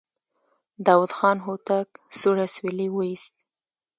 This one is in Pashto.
داوود خان هوتک سوړ اسويلی وايست.